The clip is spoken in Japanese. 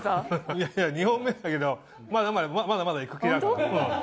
いやいや２本目だけどまだまだ行く気だから。